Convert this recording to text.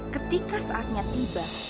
ketika saatnya tiba